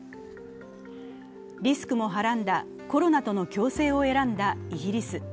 リスクもはらんだコロナとの共生を選んだイギリス。